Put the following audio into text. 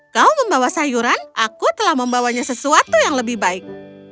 kau membawa sayuran aku telah membawanya sesuatu yang lebih baik